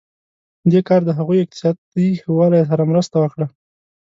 دې کار د هغوی اقتصادي ښه والی سره مرسته وکړه.